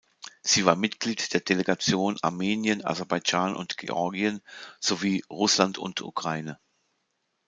Sie war Mitglied der Delegationen „Armenien, Aserbaidschan und Georgien“ sowie „Russland und Ukraine“.